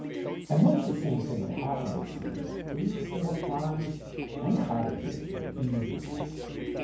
And much the same thing had happened, it seemed, at three or four farms and cottages where bees were kept.